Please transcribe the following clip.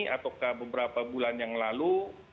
ataukah beberapa bulan yang lalu